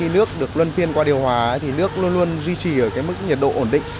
nước được luân phiên qua điều hòa thì nước luôn luôn duy trì ở mức nhiệt độ ổn định